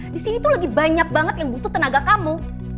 di sini tuh lagi banyak banget yang butuh tenaga kamu